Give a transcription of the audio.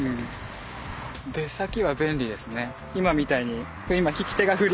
出先は便利ですね。